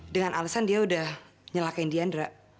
dengan alasan dia udah nyalahkan dianra